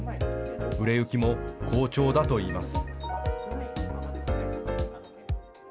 売れ行きも好調だといいます。